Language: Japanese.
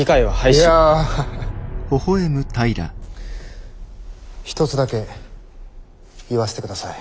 いや一つだけ言わせてください。